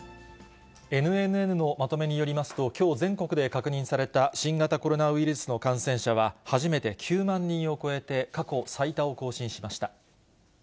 ＮＮＮのまとめによりますと、きょう全国で確認された新型コロナウイルスの感染者は、初めて９万人を超えて、過去最多を更新しました。